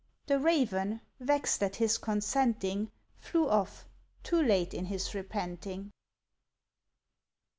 The Raven, vexed at his consenting, Flew off, too late in his repenting.